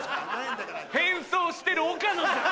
変装してる岡野じゃん。